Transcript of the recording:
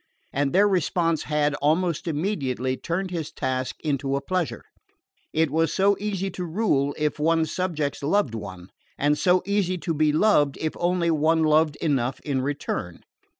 And their response had, almost immediately, turned his task into a pleasure. It was so easy to rule if one's subjects loved one! And so easy to be loved if only one loved enough in return!